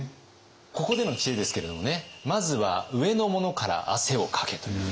ここでの知恵ですけれどもね「まずは上の者から汗をかけ！」という知恵。